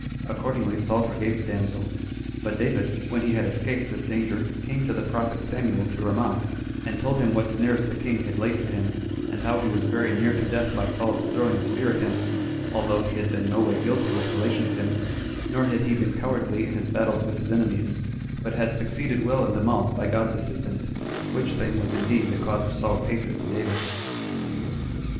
Accordingly Saul forgave the damsel; but David, when he had escaped this danger, came to the prophet Samuel to Ramah, and told him what snares the king had laid for him, and how he was very near to death by Saul's throwing a spear at him, although he had been no way guilty with relation to him, nor had he been cowardly in his battles with his enemies, but had succeeded well in them all, by God's assistance; which thing was indeed the cause of Saul's hatred to David.